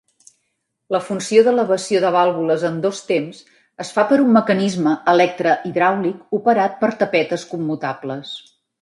La funció d'elevació de vàlvules en dos temps es fa per un mecanisme electre-hidràulic operat per tapetes commutables.